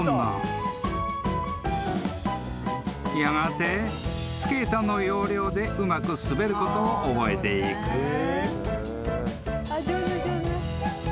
［やがてスケートの要領でうまく滑ることを覚えていく］